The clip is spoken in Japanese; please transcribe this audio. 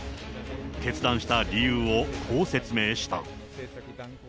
決断した理由をこう説明した。